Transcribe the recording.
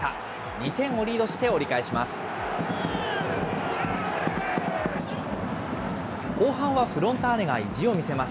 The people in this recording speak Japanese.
２点をリードして折り返します。